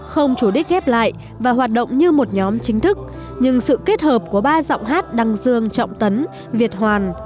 không chủ đích ghép lại và hoạt động như một nhóm chính thức nhưng sự kết hợp của ba giọng hát đăng dương trọng tấn việt hoàn